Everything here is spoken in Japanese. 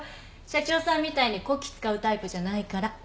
社長さんみたいにこき使うタイプじゃないから。